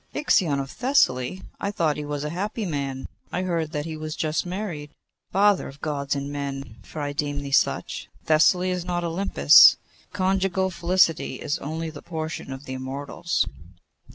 'Ixion of Thessaly! I thought he was a happy man. I heard that he was just married.' 'Father of Gods and men! for I deem thee such, Thessaly is not Olympus. Conjugal felicity is only the portion of the immortals!